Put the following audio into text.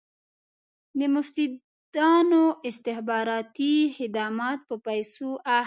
د مفسدانو استخباراتي خدمات په پیسو اخلي.